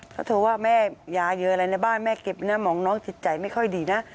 เขาโทรว่าแม่ยาเยอะอะไรในบ้านแม่เก็บนะหมองน้องจิตใจไม่ค่อยดีนะ